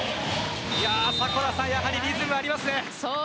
やはりリズムがありますね。